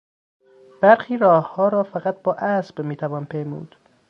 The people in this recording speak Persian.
برخی راهها را فقط با اسب میتوان پیمود.